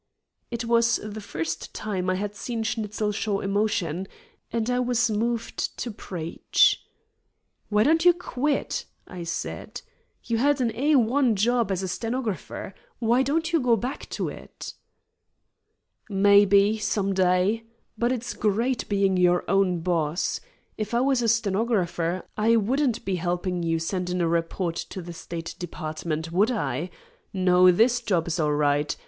It was the first time I had seen Schnitzel show emotion, and I was moved to preach. "Why don't you quit?" I said. "You had an A 1 job as a stenographer. Why don't you go back to it?" "Maybe, some day. But it's great being your own boss. If I was a stenographer, I wouldn't be helping you send in a report to the State Department, would I? No, this job is all right.